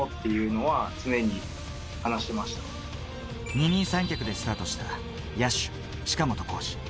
二人三脚でスタートした野手・近本光司。